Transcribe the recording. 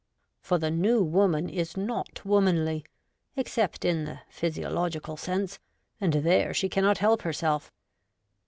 For the New Woman is not womanly, except in the physiological sense, and there she cannot help herself.